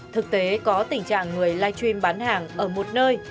thực tế có tình trạng người live stream bán hàng ở một nơi